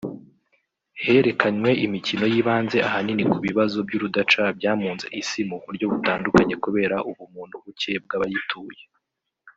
herekanywe imikino yibanze ahanini ku bibazo by’urudaca byamunze Isi mu buryo butandukanye kubera ‘ubumuntu buke bw’abayituye’